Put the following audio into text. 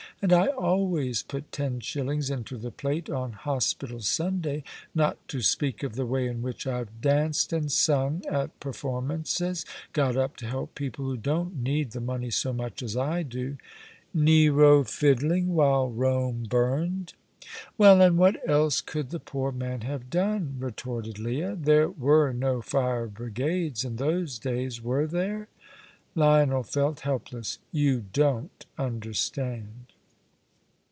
And I always put ten shillings into the plate on Hospital Sunday, not to speak of the way in which I've danced and sung at performances got up to help people who don't need the money so much as I do." "Nero fiddling, while Rome burned." "Well, and what else could the poor man have done?" retorted Leah. "There were no fire brigades in those days, were there?" Lionel felt helpless. "You don't understand!"